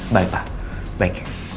baik pak baik